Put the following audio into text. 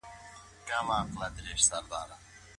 زه کتابتون ته نه ځم.